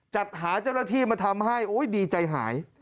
จัดหาเจ้าหน้าที่มาทำให้โอ้ยดีใจหาย